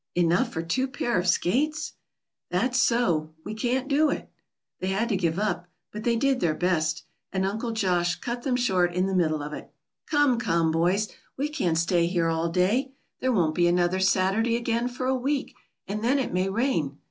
"Enough for two pair of skates?" "That's so. We can't do it." They had to give it up; but they did their best, and Uncle Josh cut them short in the middle of it. "Come, come, boys, we can't stay here all day. There won't be another Saturday again for a week, and then it may rain.